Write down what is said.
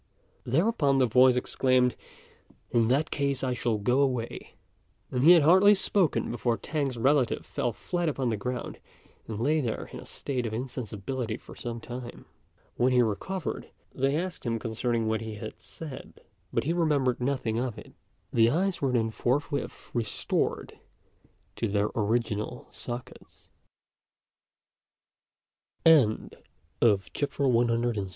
Thereupon the voice exclaimed, "In that case, I shall go away;" and he had hardly spoken before T'ang's relative fell flat upon the ground and lay there in a state of insensibility for some time. When he recovered, they asked him concerning what he had said; but he remembered nothing of it. The eyes were then forthwith restored to their original sockets. FOOTNOTES: See No.